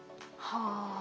はあ。